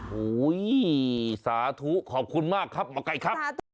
โอ้โหสาธุขอบคุณมากครับหมอไก่ครับ